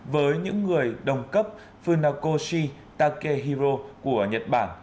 với những người đồng cấp funakoshi takehiro của nhật bản